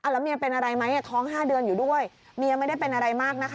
แล้วเมียเป็นอะไรไหมท้อง๕เดือนอยู่ด้วยเมียไม่ได้เป็นอะไรมากนะคะ